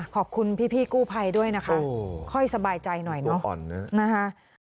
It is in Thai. ขอบคุณพี่กู้ภัยด้วยนะคะค่อยสบายใจหน่อยเนาะนะคะ